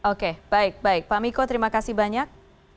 oke baik baik pak miko terima kasih banyak